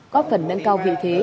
có phần nâng cao vị thế